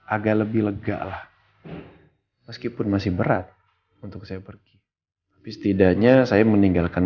agak lebih lega lah meskipun masih berat untuk saya pergi tapi setidaknya saya meninggalkan